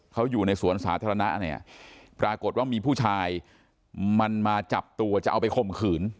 เขาอยู่ในสวนสาธารณะเนี่ยปรากฏว่ามีผู้ชายมันมาจับตัวจะเอาไปข่มขืน